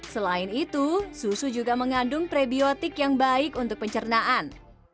selain itu susu juga mengandung prebiotik yang baik untuk pencernaan